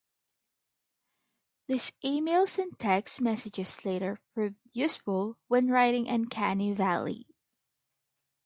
These emails and text messages later proved useful when writing "Uncanny Valley".